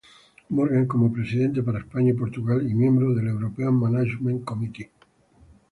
Morgan como Presidente para España y Portugal y miembro del European Management Committee.